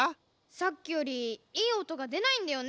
さっきよりいいおとがでないんだよね。